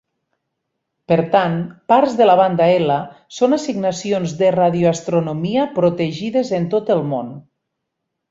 Per tant, parts de la Banda L són assignacions de radioastronomia protegides en tot el món.